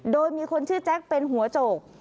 โดยมีคนชื่อแจ๊คเป็นหัวโจก